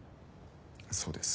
そうです。